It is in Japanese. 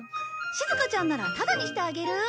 しずかちゃんならタダにしてあげる。